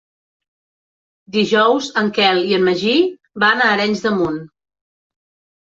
Dijous en Quel i en Magí van a Arenys de Munt.